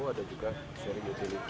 ada juga seri utility